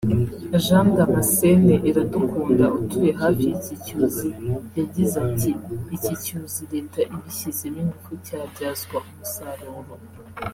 Jean Damascene Iradukunda utuye hafi y’iki cyuzi yagize ati “Iki cyuzi Leta ibishyizemo ingufu cyabyazwa umusaruro